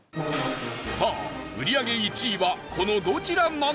さあ、売り上げ１位はこのどちらなのか？